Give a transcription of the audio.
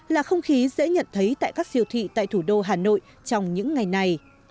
là không khí dễ nhận thấy tại các siêu thị tại thủ đô hà nội trong những ngày này